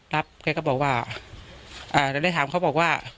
รับเขาก็บอกว่าอ่าแล้วได้ถามเขาบอกว่า